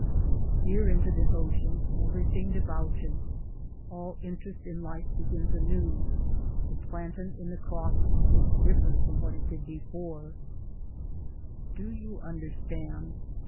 Here, into this ocean, everything debouches ; all in terest in life begins anew. The plantain in the croft looks different from what it did before. Towards Democracy 9 Do you understand?